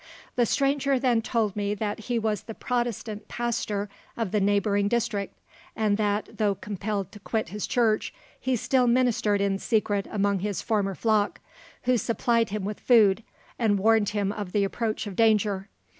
"The stranger then told me that he was the Protestant pastor of the neighbouring district, and that, though compelled to quit his church, he still ministered in secret among his former flock, who supplied him with food, and warned him of the approach of danger.